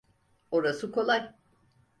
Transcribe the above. Orası kolay.